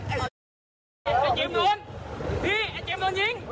เอาแล้ว